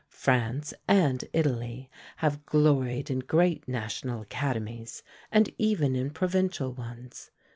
France and Italy have gloried in great national academies, and even in provincial ones.